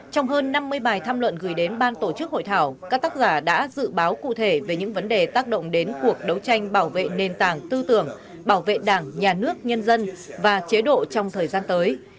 trong hơn năm mươi bài tham luận gửi đến ban tổ chức hội thảo các tác giả đã dự báo cụ thể về những vấn đề tác động đến cuộc đấu tranh bảo vệ nền tảng tư tưởng bảo vệ đảng nhà nước nhân dân và chế độ trong thời gian tới